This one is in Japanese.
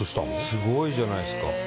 すごいじゃないですか。